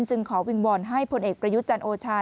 จึงขอวิ่งวอนให้พลเอกประยุจันโอชา